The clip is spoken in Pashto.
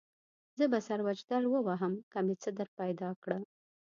زه به سر وجدل ووهم که مې څه درپیدا کړه.